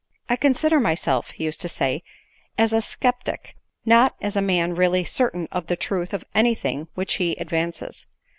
" I consider myself," he used to say, " as a sceptic, not as a man really certain of the truth of any tiling which he advances.